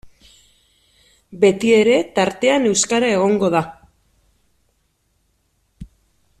Betiere tartean euskara egongo da.